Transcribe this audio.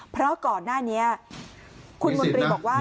เพราะก่อนหน้านี้คุณมนตรีบอกว่า